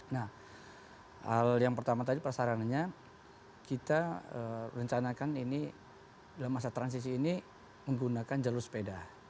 nah hal yang pertama tadi prasarananya kita rencanakan ini dalam masa transisi ini menggunakan jalur sepeda